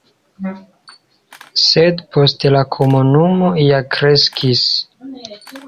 Sed poste la komunumo ja kreskis.